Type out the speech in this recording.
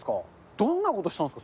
どんなことしたんですか？